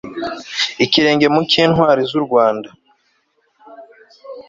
ikirenge mu k'intwari z'u rwanda